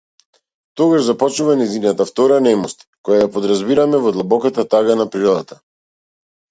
Тогаш започнува нејзината втора немост, која ја подразбираме во длабоката тага на природата.